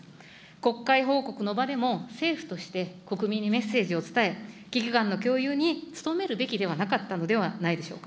国会報告の場でも、政府として国民にメッセージを伝え、危機感の共有に努めるべきではなかったのではないでしょうか。